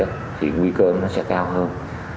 thì nguy cơ sẽ cao hơn